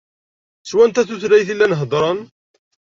S wanta tutlayt i llan heddren?